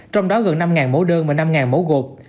trong đó gần năm mẫu đơn và năm mẫu gột